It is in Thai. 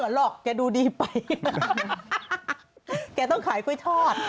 เออเอาพี่ลุงไปต่อ